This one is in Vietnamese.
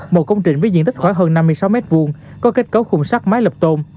một công trình với diện tích khoảng hơn năm mươi sáu m hai có kết cấu khung sắt mái lập tôn